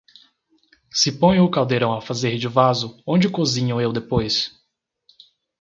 Se ponho o caldeirão a fazer de vaso, onde cozinho eu depois?